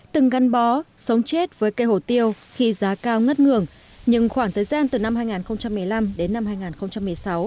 từng gắn bó sống chết với cây hổ tiêu khi giá cao ngất ngường nhưng khoảng thời gian từ năm hai nghìn một mươi năm đến năm hai nghìn một mươi sáu